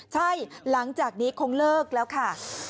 ใช่หลังจากนี้คงเลิกแล้วค่ะ